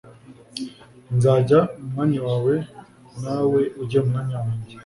Nzajya mu mwanya wawe nawe ujye mu mwanya wanjye